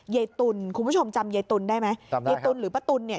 เยตุนคุณผู้ชมจำเยตุนได้ไหม